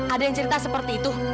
ada yang cerita seperti itu